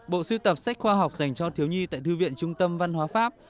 bộ siêu tập sách khoa học dành cho thiếu nhi tại thư viện trung tâm văn hóa pháp